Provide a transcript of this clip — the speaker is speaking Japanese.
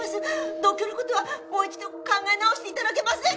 同居の事はもう一度考え直して頂けませんか？